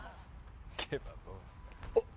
おっ！